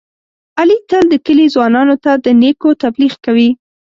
علي تل د کلي ځوانانو ته د نېکو تبلیغ کوي.